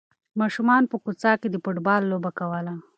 ماشومانو په کوڅه کې د فوټبال لوبه کوله.